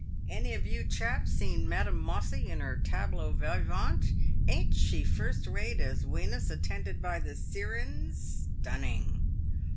"Any of you chaps seen Madame Mossi in her tablow vyevant ? Ain't she first rate as Wenus attended by the syrins — stunning